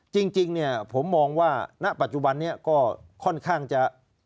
จริงเนี่ยผมมองว่าณปัจจุบันนี้ก็ค่อนข้างจะ